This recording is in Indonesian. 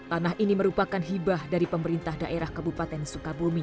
tanah ini merupakan hibah dari pemerintah daerah kabupaten sukabumi